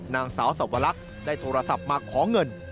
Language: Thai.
นางสาวสวรรคได้โทรศัพท์มาขอเงิน